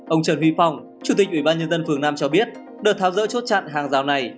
ông trần huy phong chủ tịch ủy ban nhân dân phường nam cho biết đợt tháo rỡ chốt chặn hàng rào này